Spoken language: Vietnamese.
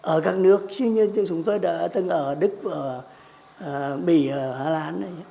ở các nước như chúng tôi đã từng ở đức mỹ hà lan